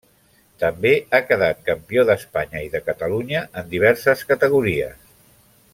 També ha quedat Campió d'Espanya i de Catalunya en diverses categories.